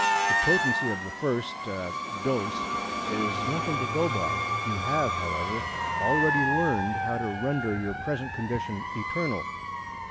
The potency of the first er dose, is nothing to go by. You have, however, already learned how to render your present condition eternal."